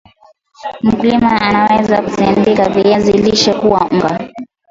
mkulima anaweza kusindika viazi lishe kuwa unga